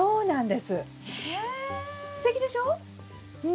すてきでしょう？